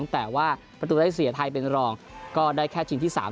แต่ว่าประตูได้เสียไทยเป็นรองก็ได้แค่ชิงที่๓